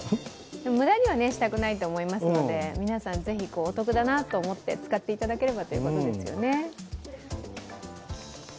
無駄にはしたくないと思いますので皆さん、ぜひお得だなと思って使っていただければ。